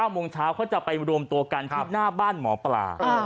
โมงเช้าเขาจะไปรวมตัวกันที่หน้าบ้านหมอปลา